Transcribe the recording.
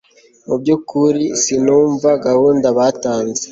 mu byukuri sinumva gahunda batanze